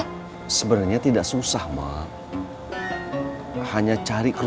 kami panggil kepada pintu